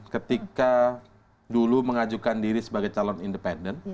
ketika dulu mengajukan diri sebagai calon independen